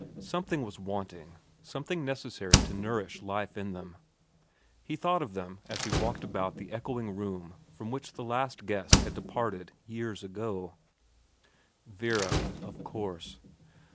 Something was wanting, something necessary to nourish life in them. He thought of them as he walked about the echoing room from which the last guest had departed years ago. Vera, of course.